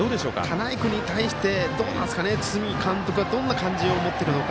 田内君に対して堤監督は、どんな感じを持っているのか。